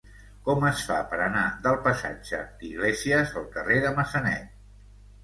Com es fa per anar del passatge d'Iglésias al carrer de Massanet?